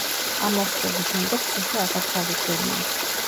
ამ ლაშქრობის შემდეგ ციხე აღარც აღუდგენიათ.